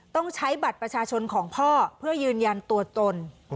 ต้องใช้บัตรประชาชนของพ่อเพื่อยืนยันตัวตน